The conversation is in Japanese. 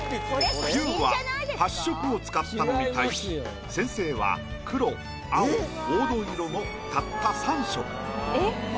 ＹＯＵは８色を使ったのに対し先生は黒青黄土色のたった３色。